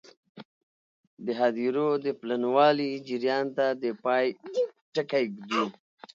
د هدیرو د پلنوالي جریان ته د پای ټکی ږدو.